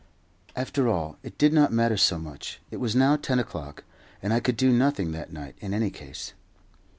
After all, it did not matter so much. It was now ten o'clock, and I could do nothing that night, in any case.